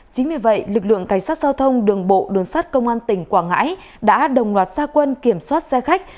chính vì vậy lực lượng cảnh sát giao thông đường bộ đường sát công an tỉnh quảng ngãi đã đồng loạt gia quân kiểm soát xe khách